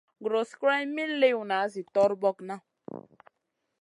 Guros guroyna min liwna zi torbokna.